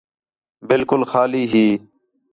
بالکل خالی ہی